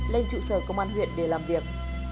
lên trụ sở công an huyện để làm việc